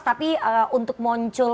tapi untuk muncul